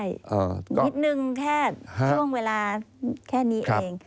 นิดนึงแค่ช่วงเวลาแค่นี้เอง